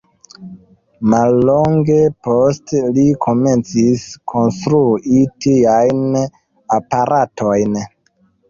Mallonge poste li komencis konstrui tiajn aparatojn.